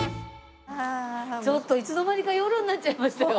ちょっといつの間にか夜になっちゃいましたよ。